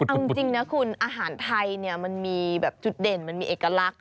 เอาจริงนะคุณอาหารไทยมันมีแบบจุดเด่นมันมีเอกลักษณ์